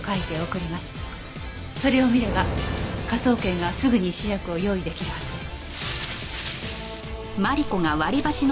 それを見れば科捜研がすぐに試薬を用意出来るはずです。